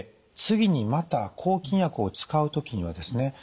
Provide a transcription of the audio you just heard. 次にまた抗菌薬を使う時にはですね